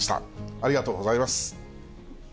ありがとうございます。